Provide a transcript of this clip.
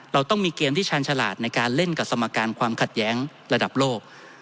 เราต้องมีเกมที่ชาญฉลาดในการเล่นกับสมการความขัดแย้งระดับโลก